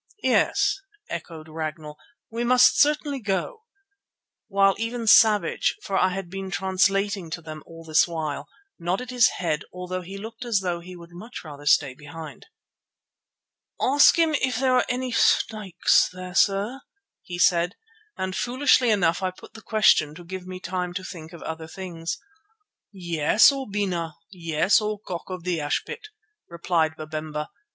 "Yes," echoed Ragnall, "we must certainly go," while even Savage, for I had been translating to them all this while, nodded his head although he looked as though he would much rather stay behind. "Ask him if there are any snakes there, sir," he said, and foolishly enough I put the question to give me time to think of other things. "Yes, O Bena. Yes, O Cock of the Ashpit," replied Babemba.